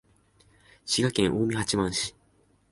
滋賀県近江八幡市